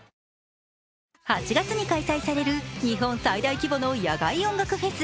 ８月に開催される日本最大規模の野外音楽フェス、